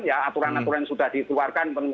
aturan aturan yang sudah dituarkan